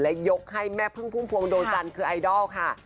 และยกให้แม่พึ่งพุ่มพวงดวงจันทร์คือไอดอลค่ะ